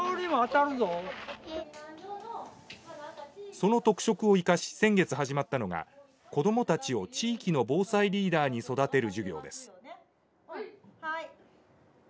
その特色を生かし先月始まったのが子どもたちを地域の防災リーダーに育てる授業です。